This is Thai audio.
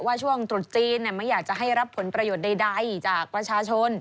ช่วงตรุษจีนไม่อยากจะให้รับผลประโยชน์ใดจากประชาชน